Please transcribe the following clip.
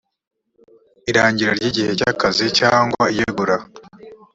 irangira ry igihe cy akazi cyangwa iyegura